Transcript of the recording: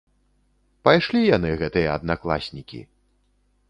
Пайшлі яны, гэтыя аднакласнікі.